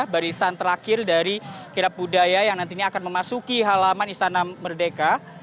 barisan terakhir dari kirap budaya yang nantinya akan memasuki halaman istana merdeka